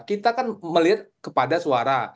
kita kan melihat kepada suara